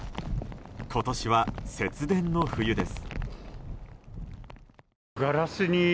今年は節電の冬です。